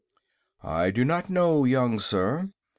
"I do not know, young sir.